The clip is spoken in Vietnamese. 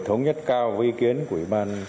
thống nhất cao với ý kiến của ủy ban